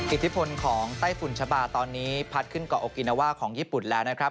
อิทธิพลของไต้ฝุ่นชะบาตอนนี้พัดขึ้นเกาะโอกินาว่าของญี่ปุ่นแล้วนะครับ